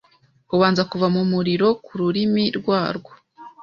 Ubanza kuva mumuriro kururimi rwarwo